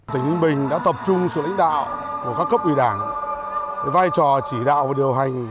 tỉnh ninh bình đã tập trung sự lãnh đạo của các cấp ủy đảng vai trò chỉ đạo và điều hành